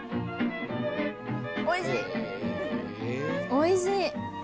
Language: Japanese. おいしい！